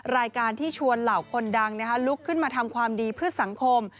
รายการที่ชวนเหล่าคนดังลุกขึ้นมาทำความดีเพื่อสังคม